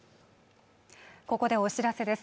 ここでお知らせです